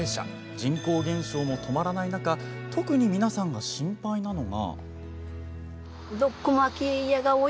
人口減少も止まらない中特に皆さんが心配なのが。